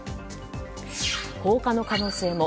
放火の可能性も。